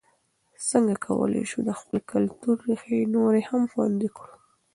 څنګه کولای سو د خپل کلتور ریښې نورې هم خوندي کړو؟